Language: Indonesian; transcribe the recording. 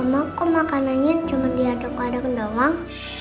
mama kok makanannya cuma diaduk aduk doang